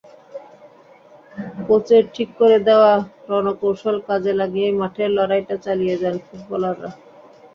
কোচের ঠিক করে দেওয়া রণকৌশল কাজে লাগিয়েই মাঠের লড়াইটা চালিয়ে যান ফুটবলাররা।